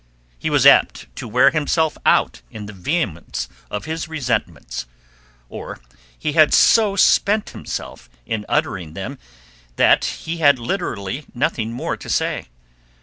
He was apt to wear himself out in the vehemence of his resentments; or, he had so spent himself in uttering them that he had literally nothing more to say.